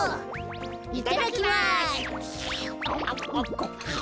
いただきます！